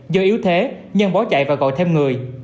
do yếu thế nhân bỏ chạy và gọi thêm người